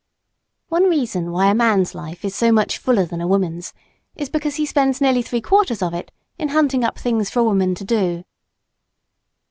One reason why a man's life is so much fuller than a woman's is because he spends nearly three quarters of it in hunting up things for a woman to do.